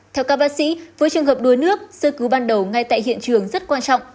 theo các bác sĩ với trường hợp đuối nước sơ cứu ban đầu ngay tại hiện trường rất quan trọng